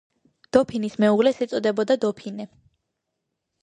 დოფინის მეუღლეს ეწოდებოდა დოფინე.